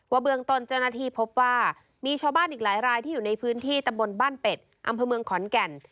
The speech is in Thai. เบื้องต้นเจ้าหน้าที่พบว่ามีชาวบ้านอีกหลายรายที่อยู่ในพื้นที่ตำบลบ้านเป็ดอำเภอเมืองขอนแก่น